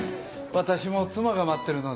私も妻が待ってるので。